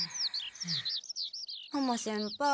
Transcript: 浜先輩